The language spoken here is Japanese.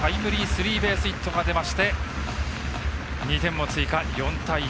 スリーベースヒットが出まして２点を追加、４対１。